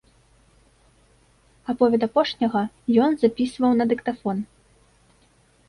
Аповед апошняга ён запісваў на дыктафон.